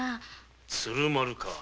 「鶴丸」か。